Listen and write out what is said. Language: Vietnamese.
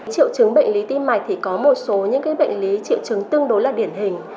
triệu chứng bệnh lý tim mạch thì có một số những bệnh lý triệu chứng tương đối là điển hình